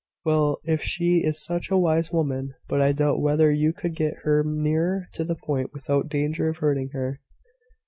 "Well! if she is such a wise woman . But I doubt whether you could get her nearer to the point without danger of hurting her.